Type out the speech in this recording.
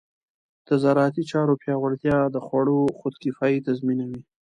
د زراعتي چارو پیاوړتیا د خوړو خودکفایي تضمینوي.